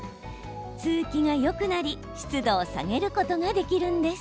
通気がよくなり湿度を下げることができるんです。